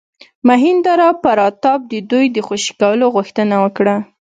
مهیندراپراتاپ د دوی د خوشي کولو غوښتنه وکړه.